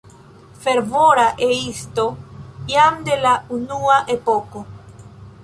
Fervora E-isto jam de la unua epoko.